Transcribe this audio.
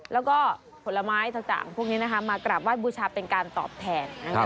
แล้วก็ผลไม้ทั้ง๓พวกนี้นะคะมากราบว่าบูชาเป็นการตอบแทน